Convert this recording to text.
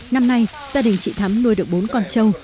năm nay gia đình chị thắm nuôi được bốn con trâu